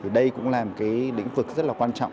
đây cũng là một lĩnh vực rất quan trọng